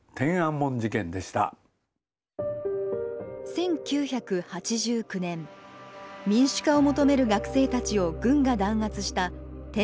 １９８９年民主化を求める学生たちを軍が弾圧した天安門事件。